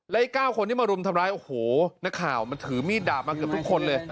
และอีก๙คนที่มารุมทำร้ายโอ้โหนักข่าวมันถือมีดดาบมาเกือบทุกคนเลย